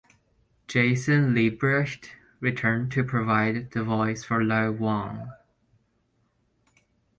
Jason Liebrecht returned to provide the voice for Lo Wang.